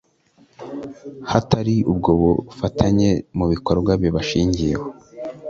hatari ubwo bufatanye mu bikorwa bibashingiyeho